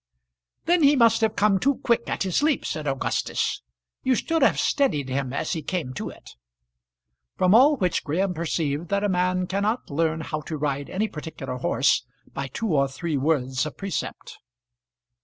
"Then he must have come too quick at his leap," said Augustus. "You should have steadied him as he came to it." From all which Graham perceived that a man cannot learn how to ride any particular horse by two or three words of precept.